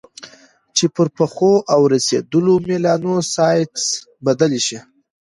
چې پر پخو او رسېدلو میلانوسایټس بدلې شي.